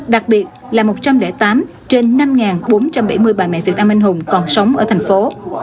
đặc biệt là một trăm linh tám trên năm bốn trăm bảy mươi bà mẹ việt nam anh hùng còn sống ở thành phố